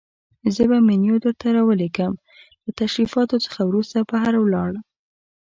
زه به منیو درته راولېږم، له تشریفاتو څخه وروسته بهر ولاړ.